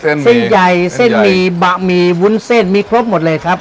เส้นเส้นใหญ่เส้นหมี่บะหมี่วุ้นเส้นมีครบหมดเลยครับ